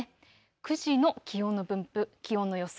９時の気温の分布、気温の予想